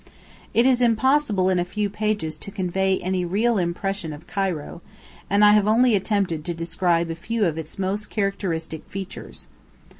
It is impossible in a few pages to convey any real impression of Cairo, and I have only attempted to describe a few of its most characteristic features.